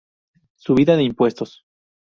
Subida de impuestos.